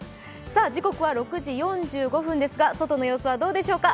時刻は６時４５分ですが、外の様子はどうでしょうか。